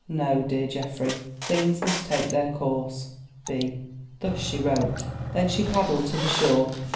"No, dear Geoffrey. Things must take their course.—B." Thus she wrote. Then she paddled to the shore.